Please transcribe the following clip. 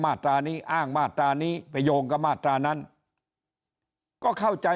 ตรานี้อ้างมาตรานี้ไปโยงกับมาตรานั้นก็เข้าใจ